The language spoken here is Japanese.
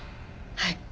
はい。